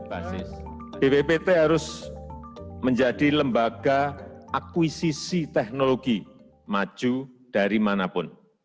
basis bppt harus menjadi lembaga akuisisi teknologi maju dari manapun